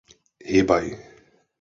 Hybaj!